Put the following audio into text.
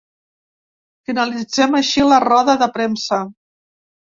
Finalitzem així la roda de premsa.